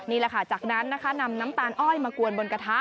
นี่แหละค่ะจากนั้นนะคะนำน้ำตาลอ้อยมากวนบนกระทะ